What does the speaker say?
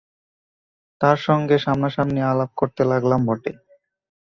তার সঙ্গে সামনাসামনি আলাপ করতে লাগলাম বটে।